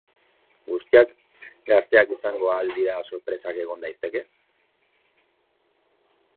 Guztiak gazteak izango al dira ala sorpresak egon daitezke?